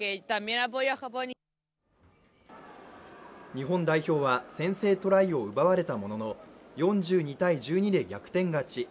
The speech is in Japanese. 日本代表は先制トライを奪われたものの４２−１２で逆転勝ち。